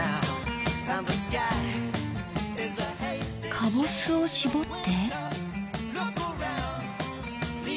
かぼすを搾って。